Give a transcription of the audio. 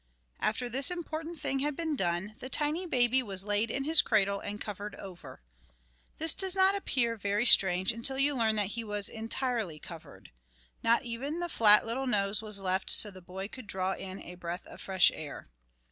After this important thing had been done, the tiny baby was laid in his cradle and covered over. This does not appear very strange until you learn that he was entirely covered. Not even the flat little nose was left so the boy could draw in a breath of fresh air.